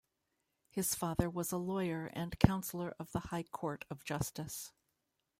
His father was a lawyer and councillor of the high court of justice.